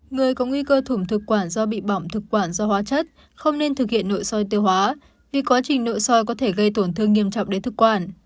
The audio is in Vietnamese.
người có nguy cơ thủng thực quản do bị bỏng thực quản do hóa chất không nên thực hiện nội soi tiêu hóa vì quá trình nội soi có thể gây tổn thương nghiêm trọng đến thực quản